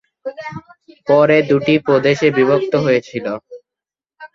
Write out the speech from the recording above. পরে দুটি প্রদেশে বিভক্ত হয়েছিল।